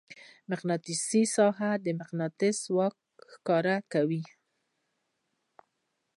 مقناطیسي ساحه د مقناطیس ځواک ښکاره کوي.